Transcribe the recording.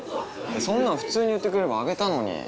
そんなの普通に言ってくれればあげたのに。